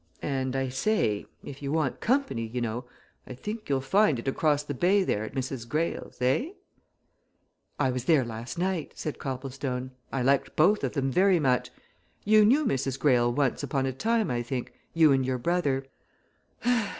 And I say if you want company, you know I think you'll find it across the bay there at Mrs. Greyle's eh?" "I was there last night," said Copplestone. "I liked both of them very much. You knew Mrs. Greyle once upon a time, I think; you and your brother?"